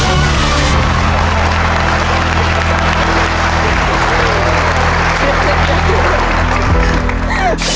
ถูกครับ